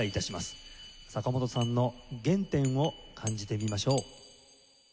坂本さんの原点を感じてみましょう。